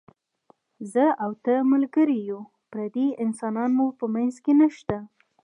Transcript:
زه او ته ملګري یو، پردي انسانان مو په منځ کې نشته.